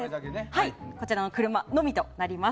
こちらの車のみとなります。